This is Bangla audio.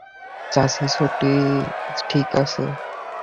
চাচি, ছোটি ঠিক আছে।